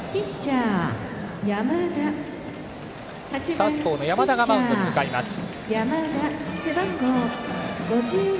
サウスポーの山田がマウンドに向かいました。